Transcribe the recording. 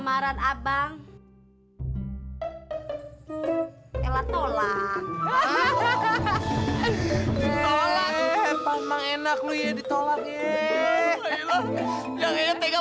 karena bang iprah sudah menyiapkan kade yang dipesan oleh yayang eyak